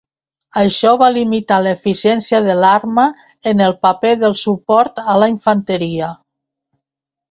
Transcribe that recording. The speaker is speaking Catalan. Això va limitar l'eficiència de l'arma en el paper del suport a la infanteria.